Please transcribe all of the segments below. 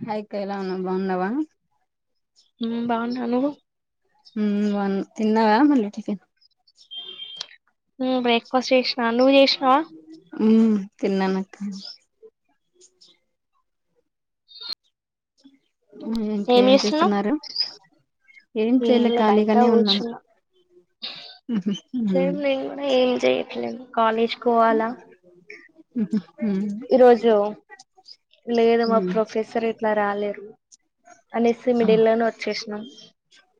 Hi అక్కా ఎలా ఉన్నవ్ బాగున్నవా ఉ బాగున్న నువ్వు ఉ వన్ తిన్నావా మళ్ళీ టిఫిన్ ఉ బ్రేక్ఫాస్ట్ చేశ్ ఆ నువ్వు చేసినవా ఉ తిన్నన ఇంకా ఏం చేస్తున్నారు ఏం చేయలే లే బయట ఖాళీగానే ఉన్నాము కూర్చున్నా చేయట్లాలేదు కాలేజ్ కోవాలా ఇదు ఈరోజు లేదమ్ మా మ్మ్ ప్రొఫెసర్ అట్లా రాలేరు అనేసి మిడియల్లోనే వచ్చేసినాం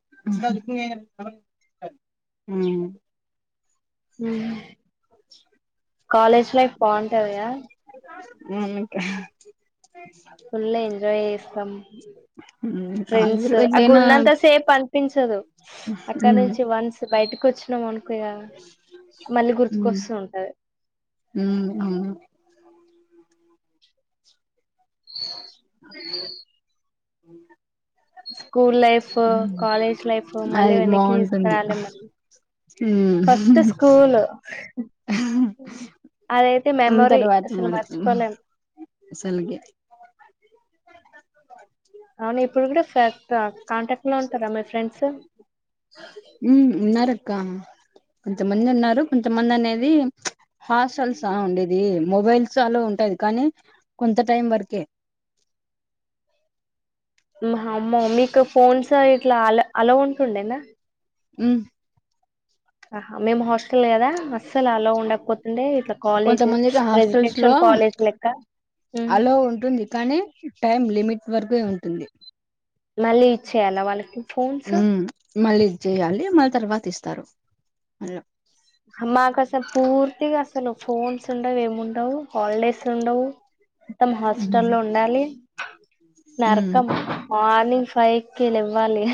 హ [unintelligible] హ కాలేజ్ లైఫ్ బాగుంటాందియా ఉనుకా ఫుల్ ఎంజాయ్ చేస్తాం మ్మ్ ఫ్రెండ్స్ కాలేజీలో అక్కడు ఎట్లైనా ఉన్నంత సేప్ అంట పిన్సదు అక్కడ మ్మ్ నుంచి వన్స్ బయటకి కుచ కునం అనుకోయా మళ్ళీ మ్మ్ గుర్తుకొస్తూ ఉంటది మ్మ్ అవును అ ఇ స్కూల్ లైఫ్ కాలేజ్ లైఫ్ మళ్ళీ అది వెనక్కి బాగుంటుంది తీసుకురాలెం మీ ఫస్ట్ మ్మ్ స్కూల్ అదైతే మెమరీ తర్వాత అసలు మాట్లాడుకుందాం మర్చిపోలేం అసలుకి అవునా ఇప్పుడు కూడా స ఇ కాంటాక్ట్ లో ఉంటారా మీ ఫ్రెండ్స్ ఇ కొంతమంది ఉన్నారు కొంతమంది అనేది హాస్టల్సా ఉండేది మొబైల్స్లో ఉంటాది కానీ కొంత టైం వరకే మా అమ్మ మీకు ఫోన్స్ ఇట్లా అలో అల్లో ఉంటుండేనా మ్ ఆహ మేము హాస్ లేదా అస్సల్ అల్లో ఉండక్పోతుండే ఇట్ల కాలేజ్ కొంతమందికి హాస్టల్స్ లో రెసిడెన్షియల్ కాలేజ్ లెక్క అలో కే ఉంటుంది. మళ్ళీ ఇచ్చేయాలా వాళ్ళకి ఫోన్స్ మళ్ళీ ఇచ్చేయాలి. మళ్ళీ తర్వాత ఇస్తారు మళ్ళ మాక్ అసల్ పూర్తిగా అసలు ఫోన్స్ ఉండవు ఏం ఉండవు హాలిడేస్ ఉండవు. మొత్తం హాస్టల్లో ఉండాలి నర్కం ర్నింగ్ ఫైకే లె లెవ్వాలి.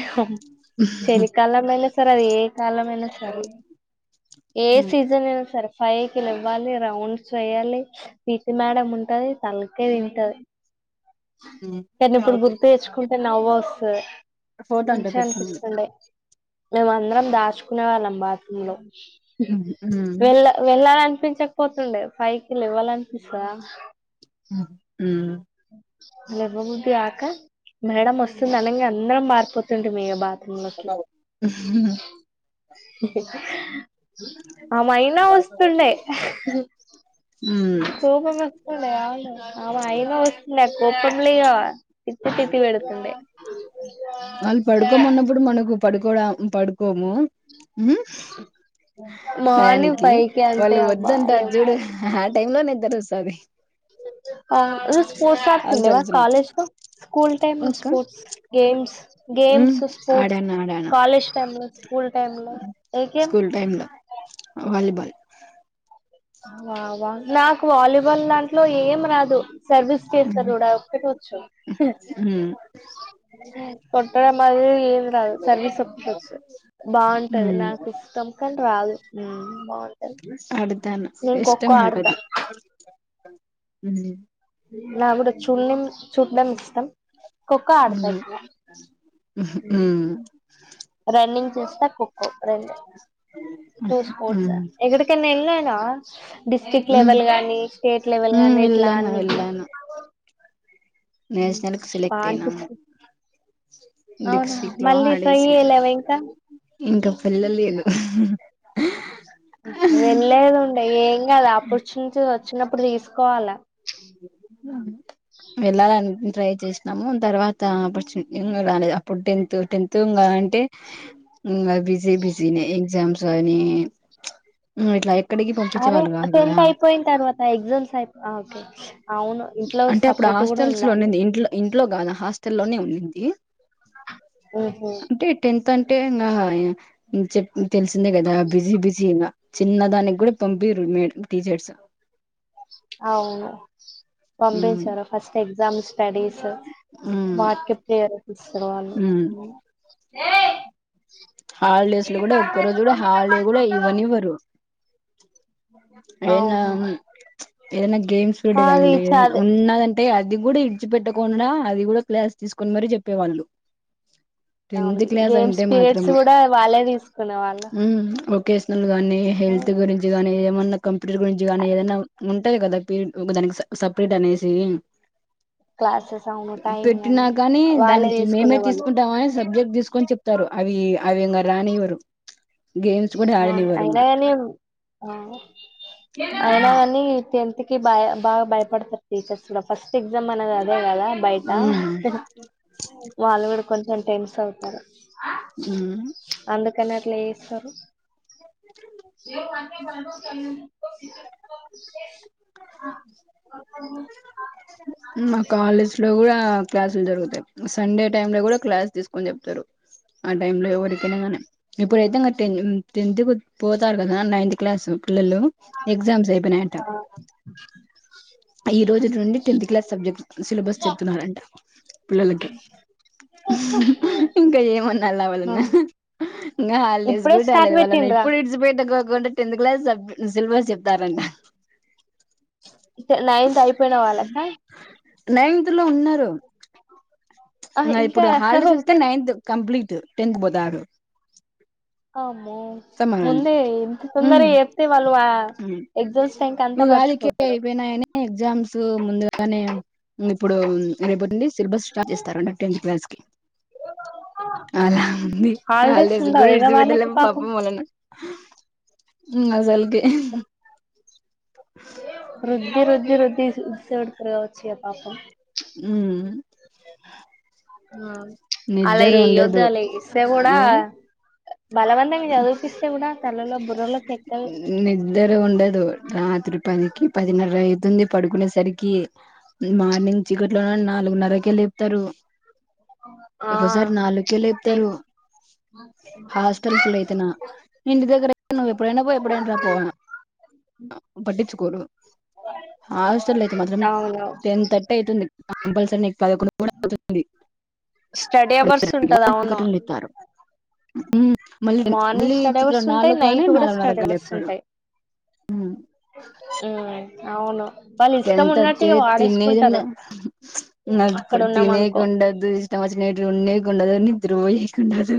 చలికాలమైనా సరే అది ఏ కాలమైనా సరే ఏ సీజన్ అ సరే ఫైవ్కి లెవ్వాలే రౌండ్స్ వేయాలి పీటి మేడం ఉంటది తలకాయ్ తింటది. కాని ఇప్పుడు గుర్తు తెచ్చుకుంటే నవ్వొస్ స ఫోటో అంతా మంచిగా పెట్టండి అనిపిస్తుండే మేం అందరం దాచుకునే వాళ్ళం బాత్రూమ్లో వెళ్ళ వెళ్ళాలం పించక్ పోతుండే ఫైవ్ కి లేవ్వాలన్పిస్తదా మ్ లెవ్వబుద్ధి కాక మేడం వస్తుంది అనంగ అందరం మారిపోతుంటిమ్ ఇగ బాత్ రూమ్లోకి ఆమైనా వస్తుండే కోపం వస్తుండే ఆ ఆమె అయిన వస్తుండే కోప [unintelligible] పెడ్తుండే పడుకోడాం పడు కోము మార్నింగ్ భయానికి ఫైవ్ కి అంతే వాళ్ళు అబ్బా వద్దంటారు జుడు లెవ్వాలి ఆ టైంలో నిద్రొస్తాది. ఆ [unintelligible] అసలు తుండెన అసలు కాలేజ్కు స్కూల్ టైమ్ల ఒక్క స్పోర్ట్స్ గేమ్స్ ఉమ్ గేమ్స్ స్పోర్ట్ ఆడాను ఆడాను కాలేజ్ టైమ్లో స్కూల్ టైమ్లో ఏ గేమ్ స్కూల్ టైమ్ లో వాలీబాల్ వ వ నాక్ వాలీబాల్ దాంట్లో ఏం రాదు సర్వీస్ చేస్తారు ఉమ్ చూడు ఆ ఒక్కటె వచ్చు కొట్టడం అది ఏం రాదు సర్వీస్ ఒక్కటి వచ్చు బాగుంటది ఉమ్ నాకు ఇష్టం కానీ రాదు. హ్మ్మ్ ఆడుతాను ఇష్టమ్ ఆడతా అంటది హ్మ్ అ నాక్ కూడా చూనిం చూడం ఇష్టం. ఖోఖో ఆడతర్రా హ్మ్మ్ రన్నింగ్ చూస్తా ఖోఖో రెండు టూ స్పోర్ట్స్ ఉమ్ ఎక్కడికైనా ఎళ్ళా త డిస్టిక్ ఉమ్ లెవెల్ గాని స్టేట్ లెవెల్ ఉమ్ గాని ఇట్లా వెళ్ళాను అడ్నీకి నేషనల్కి సెలెక్ట్ అయినాము. అవునా డిస్టిక్ మళ్ళీ ఫైయే లేవా ఇంకా ఇంక వెళ్ళలేను వెళ్ళేదు ఉండే ఏం కాదు ఆపర్చునిటి వ వచ్చినప్పుడు తీసుకోవాలా వెళ్ళాలని ట్రై చేసినాము తర్వాత ఆపర్చ్ ఇగ్ రాలేదు అప్పుడు టెన్త్ టెన్త్ ఇంగ అంటే ఇంగా బిజి బిజి నే ఎగ్జామ్స్ కానీ అరే టెన్త్ అయిపోయిన్ తర్వాత ఎగ్జామ్స్ అయి ఓకే అవును ఇంట్లో అంటే అప్పుడు సపోర్ట్ కూడా హాస్టల్స్ లో ఉండాలి ఉండింది ఇంట్లో ఇంట్లో కాదు హాస్టల్ లోనే ఉండింది ఉహు అంటే టెన్త్ అ అంటే ఇంగా చెప్ తెలిసిందే కదా బిజి బిజి ఇగా చిన్న దానికి కూడా పంపియరు. మేడం, టీచర్స్ అవును మ్మ్ పంపించర ఫస్ట్ ఎగ్జామ్ దమ్ [unintelligible] స్టడీస్ మ్మ్ వాట్కి ప్రేరపిస్తారు వాళ్ళు మ్మ్ ఏయ్ హాలిడేస్ లో కూడా ఒక్క రోజు కూడా హాలిడే కూడా ఇవ్వనివ్వరు. ఏన్న అవును ఏ గేమ్స్ కూడా కానీ అది లేద చది ఉన్నదంట అంటే అది కూడా ఇడ్చి పెట్టకుండా అది కూడా క్లాస్ తీసుకొని మరి చెప్పేవాళ్ళు. అవును గేమ్స్ పీరియడ్స్ కూడా వాళ్ళే తీసుకునే వాళ్ళు ఉం వొకేషనల్ గానీ హెల్త్ గురించి గాని ఏమన్నా కంపెనీలు గురించి కానీ ఏదన్నా ఉంటయి కదా పిరిడ్ ఒక దానికి సపరేట్ అనేసి క్లాసెస్ అవును టైం గాని పెట్టినాకాని వాళ్ళే దానికి తీసుకునే మేమే వాళ్ళు తీసుకుంటామని సబ్జెక్ట్ తీసుకొని చెప్తారు అవి ఇగ అవింగ రానివ్వరు కూడా స్మాల్ ఆడనివ్వరు ఇంగ అయినాగానీ ఆ అయినాగాని తి టెన్త్ కి బ బాగా భయపడతారు టీచర్స్ కూడా ఫస్ట్ ఎగ్జామ్ అనేది అదే కదా. బయట మ్మ్ వాళ్ళుకూడ కొంచెం టెన్స్ అవుతారు. ఉం ప్లేసు మా కాలేజ్ లో కూడా ఆ క్లాసులు జరుగుతాయి సండే టైం లో కూడా క్లాస్ తీసుకొని చెప్తారు ఆ టైం లో ఎవరికైనా కాని ఇప్పుడైతే ఇంకా టెన్ టెన్త్ కు పోతారు కదా నైన్త్ క్లాస్ పిల్లలు ఎగ్జామ్స్ అయిపోయినాయట. ఈ రోజు నుండి టెన్త్ క్లాస్ సబ్జెక్ట్ సిలబస్ చెప్తున్నారంట పిల్లలకు ఇంక ఏమనాల ఆ వాళ్ళను ఇంకా హాలిడేస్ ఇప్పుడే గూడ స్టార్ట్ కాలేదు వాళ్ళను పెట్టిండ్రా ఇప్పుడే ఇడిచిపేట్ [unintelligible] కాకుండా టెంత్ క్లాస్ సబ్ సిలబస్ చెప్ దారంట ట్ నైన్త్ అయిపోయిన వాళ్ళకా ఆ ఇంక ఇంకా ఇప్పుడు హలీడేస్ అతే ఓకే నైన్త్ కంప్లీట్ టెన్త్ పోతారు. అ మో ముందే ఇంత తొందరగా చెప్తే వాళ్ళు ఆ ఎగ్జామ్స్ టైం కి అంతా ఉగాదికే మర్చిపోతారు ఐపోనాయని ఎగ్జామ్స్ సో ముందుగానే ఇప్పుడు రేపటి నుండి సిలబస్ స్టార్ట్ చేస్తారు అంట టెన్త్ క్లాస్ ఓకే అలా ఉంది హాలిడేస్ కి కూడా ఉండవు ఇగ ఇడిసిపెట్టలా వాళ్ళకి పాపం వాళ్ళని ఉమ్ అసలకీ అ ద్ద రుద్ది రుద్ది ఇడాసపెడతారు కావచ్చు పాపం ఉ అలా వేయ్యొద్దు ఉండదు అలా ఇస్తే కూడా ఆ బలవంతంగా చదివిపిస్తే కూడా తలలో బుర్రలోకి ఎక్కదు నిద్దర ఉండదు రాత్రి పదికి పదిన్నర అవుతుంది పడుకునే సరికి మార్నింగ్ చికెట్ లో నాలుగున్నరక లేపుతారు ఆ ఒకసారి నాలుకే లేపుతారు హోస్ట్ ల్లయితేనా ఇంటి దగ్గర అయితే నువ్వు ఎప్పుడైనా పో ఎప్పుడేన రా పో పట్టించుకోరు హాస్టల్ అయితే మాత్రం అవును టెన్ థర్టీ అవుతుంది కంపల్సరీ పదకొండు కూడా అవుతుంది స్టడీ అవర్స్ ఉంటది అవును అ మళ్ళీ మార్నింగ్ మళ్ళీ స్టడీ చిప్పుడు అవర్స్ ఉంటాయి నాలుగుగాని నైట్ కూడా నాలుగు నరకుగా లేపుతారు ఆ అవును వాళ్ళు ఇష్టం టెన్త్ అచ్చ ఉన్నట్టుగా తినేదిన్న వాడేసుకుంటారు అక్కడ ఉన్నాం అనుకో తినేకుండదు ఇష్టం వచ్చిన ఉన్న కుండదు నిద్ర పోయి ఉండరు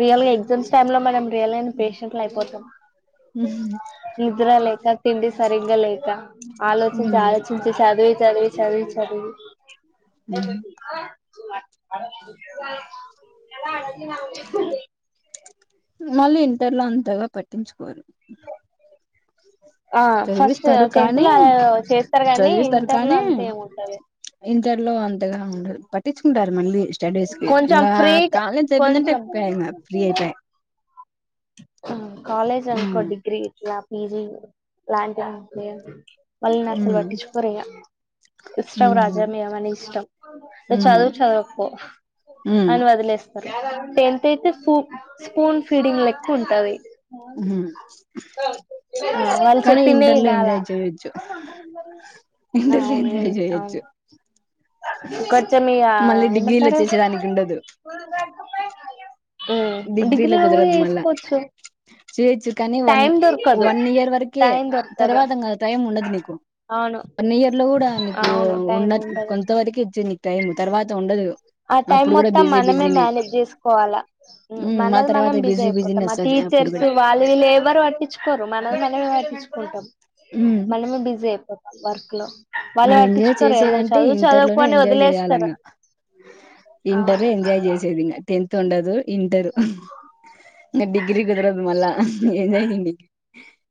రియల్ గా ఎగ్జామ్స్ టైమ్ లో మనం రియల్గా పేషెంట్లు అయిపోతాం నిద్ర లేక తిండి సరిగ్గా లేక ఆలోచించి ఆలోచించి చదివి చదివి చదివి చదివి అ అ ఎ అడి మళ్ళీ ఇంటర్ లో అంతగా పట్టించుకోరు ఆ ఫస్ట్ చదివిస్తారు టెన్త్ కానీ లో అలా చేస్తారు కానీ చదివిస్తారు ఇంటర్ లో కానీ అంతే ఏముంటది ఇగా ఉ పట్టించుకుంటారు మళ్ళీ స్టడీస్ కి కొంచం ఇంకా ఫ్రీగా కాలేజ్ అయిపోయిందంటే కొంచం అయిపోయా ఇంగ ఫ్రీ అయిపోయా కాలేజ్ ఉమ్ అనుకో డిగ్రీ ఇట్లా పీజీ లాంటివి మళ్ళీని అసలు ఉమ్ పట్టించుకోరూ ఇగ ఇష్టం రాజా ఉమ్ మే మన ఇష్టం చదువు ఉమ్ చదువకపో ఉమ్ అని వదిలేస్తారు టెన్త్ ఇయితే సూప్ స్పూన్ ఫీడింగ్ లెక్క ఉంటంది ఉమ్ వాళ్ళు కానీ చెప్పిందే ఇంటర్లో ఈనల ఎంజాయ్ చేయొచ్చు ఇంటర్లో అవును ఏ ఎంజాయ్ అవును చేయొచ్చు ఖర్చమియా మళ్ళీ డిగ్రీలో ఏమంటారు చేసేదానికి ఉండదు హ్మ్ ఆ డిగ్రీలో డిగ్రీల పో కుదరదు మళ్ళా ఏసుకోవచ్చు చేయొచ్చు కానీ వన్ వన్ ఇయర్ వరకే దొరకదు తర్వాత ఇంగ టైం ఉండదు నీకు, అవును వన్ ఇయర్ లో కూడా నీకు అవును టైం ఉన్న ఉండదు కొంత వరకే ఇచ్చే నీ టైమ్ తర్వాత ఉండదు ఆ టైమ్ అప్పుడు కూడా మొత్తం బిజీ మనమే బిజీనే మేనేజ్ చేసుకోవాలా హ్మ్ మా మనది తర్వాత మనం బిజీ అయిపోతాం మా బిజీనెస్ అది అప్పుడు టీచర్స్ గూడా. వాళ్ళు, వీళ్లూ ఎవరు పట్టించుకోరు మనది మనమే పట్టించుకుంటాం. హ్మ్. మనమే బిజీ అయిపోతాం వర్క్ లో. వాళ్ళు ఎంజాయ్ పట్టించుకోరే నువ్ చేసేదంటే చదువు చదువుక పో అని వదిలేస్తారు. ఇంటర్ ఏ అవును ఎంజాయ్ చేసేది ఇంగ టెన్త్ ఉండదు. ఇంటరు. [inaudible] ఇంగ డిగ్రీ కుదరదు మళ్ళ ఎంజాయ్ చేయనికి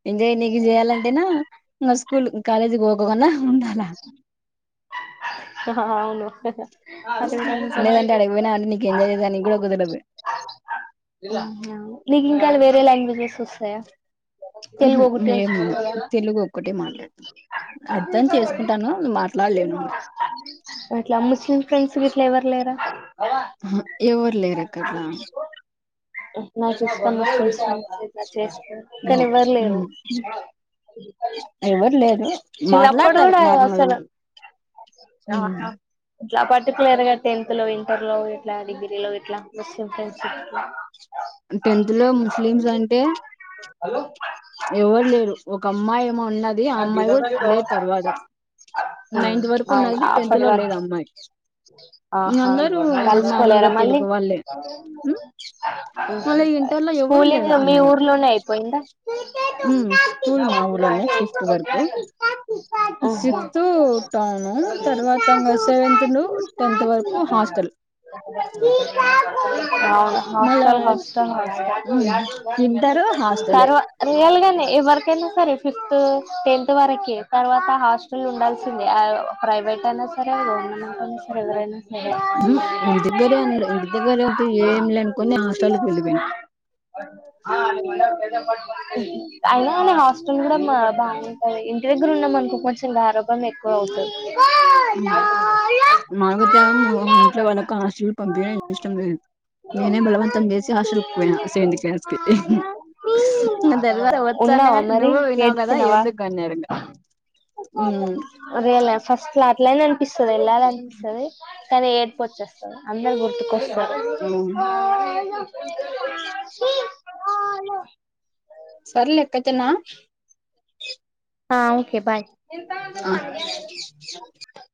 ఎంజాయ్ నీకు చేయాలంటేనా ఇంగ స్ స్కూల్ కాలేజ్ పోకొకున్న లా అవును లేదంటే ఆడికి పోయినా అంటే నీకు ఎంజాయ్ జేయడానికి గూడా కుదరదు. నీకు ఇంకా వేరే లాంగ్వేజ్ వస్సయా ఉహుం ఏం రాద్ తెలుగు ఒక టే మాన్ మాట్లాడలేను ఇంగ. అట్లా ముస్లిమ్ ఫ్రెండ్స్ గిట్ల ఎవర్ లేరా హ్ హ్మ్మ్ ఎవర్ నాకు ఇష్టమే [unintelligible] కానీ హ్మ్. ఎవ్వరు లేరు. హ్మ్. ఎవరు లేరు చిన్నప్పుడు మాట్లాడతారు కూడా నార్మల్గా. అసలు ఉమ్ ఇట్లా పర్టికులర్ గా టెన్త్ లో, ఇంటర్ లో ఇట్లా, డిగ్రీ లో ఇట్లా, ముస్లిం ఫ్రెండ్షిప్ లో టెన్త్ లో ముస్లిమ్స్ అంటే అవును ఎవరు లేరు ఒక అమ్మాయి ఏమో ఉన్నది ఆ హు అమ్మాయి కూడా లేదు తర్వాత నైన్త్ వరకు అవున్ ఉన్నది టెన్త్ లో లేదు అప్పటివరకు ఆ అమ్మాయి ఆ ఇంగ హా అందరూ కలుసుకోలేర మామూలుగా మళ్ళీ తెలుగు వాళ్ళే ఉమ్ మళ్ళీ ఇంటర్ లో ఎవరు స్కూలింగ్ లేరు లా మీ అలాగా ఊర్లోనే అయిపోయిందా ఉమ్ స్కూల్ మా ఊర్లోనే ఫిఫ్త్ వరకు సిక్స్త్ టౌను తర్వాత ఇంగ సెవెంత్ ను టెన్త్ వరకు హాస్టల్ అహ మళ్ళా హాస్టల్ హాస్టల్ ఉమ్ ఇంటరు హాస్టలే తర్వా రియల్ గానే ఎవరు ఐన సరే ఫిఫ్త్ టెన్త్ వరకే తర్వాత హాస్టల్ ఉండాల్సిందే ప్రైవేట్ అయినా సరే గవర్నమెంట్యిన్నా సరే ఎవరైనా సరే ఇంటి దగ్గరే ఇంటి దగ్గర ఏమి లే అనుకుని హాస్టల్కి వెళ్ళిపోయినాం ఐన మా హస్టల్ కూడా బానే అంట ఇంటి దగ్గర ఉన్నాం అనుకో కొంచెం గారాబం ఎక్కువ అవుతుంది మాకు తగ ఇంట్లో వాళ్ళకు హాస్టల్ పంపియ్యడం ఇష్టం లేదు నేనే బలవంతం చేసి హాస్టల్ కు పోయినా సెవంత్ క్లాస్ కి దర్వ వచ్చా నువ్ విన్నావు కదా ఏ రియ ఫస్ట్ క్లాస్ల ఎల్లాలి అనిపిస్తుది కానీ ఏడుపు వచ్చేస్తాది అందరూ గుర్తు వస్తారు ఉమ్ [inaudible] ఆలో సర్లే కతేనా ఆ ఒకే బాయ్ ఆ